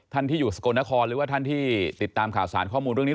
ที่อยู่สกลนครหรือว่าท่านที่ติดตามข่าวสารข้อมูลเรื่องนี้